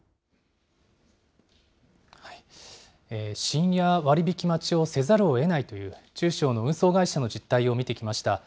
深夜割引待ちをせざるをえないという中小の運送会社の実態を見てきました。